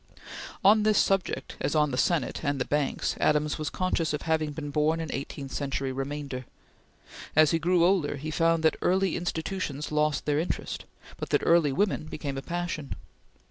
On this subject, as on the Senate and the banks, Adams was conscious of having been born an eighteenth century remainder. As he grew older, he found that Early Institutions lost their interest, but that Early Women became a passion.